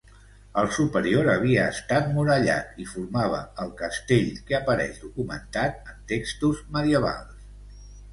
El superior havia estat murallat, i formava el castell que apareix documentat en textos medievals.